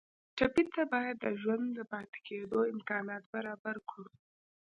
ټپي ته باید د ژوندي پاتې کېدو امکانات برابر کړو.